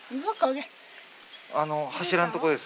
あの柱のとこです。